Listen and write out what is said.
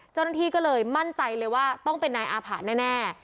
เจ้าหน้าที่ก็เลยมั่นใจเลยว่าต้องเป็นนายอาผะแน่